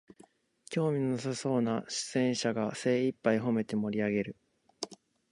興味のなさそうな出演者が精いっぱいほめて盛りあげる